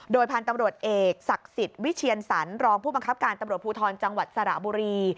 โดยพันธุ์ตำรวจเอกศักดิ์สิทธิ์วิเชียนสรรรองผู้บังคับการตำรวจภูทรจังหวัดสระบุรี